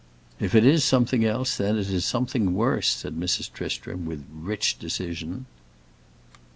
"If it is something else, then it is something worse," said Mrs. Tristram, with rich decision.